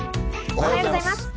おはようございます。